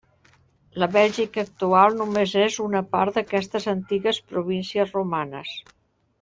La Bèlgica actual només és una part d'aquestes antigues províncies romanes.